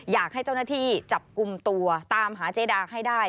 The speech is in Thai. อยากให้เจ้าหน้าที่จับกลุ่มตัวตามหาเจดาให้ได้